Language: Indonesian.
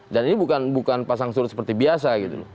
dan ini bukan pasang surut seperti biasa